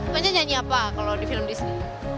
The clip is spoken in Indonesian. banyak nyanyi apa kalau di film disney